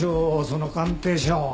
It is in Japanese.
その鑑定書。